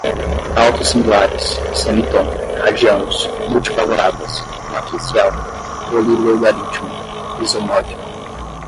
autossimilares, semitom, radianos, multivaloradas, matricial, polilogaritmo, isomórfico